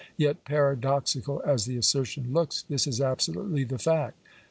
Tet, paradoxical as the assertion looks, this is absolutely the fact.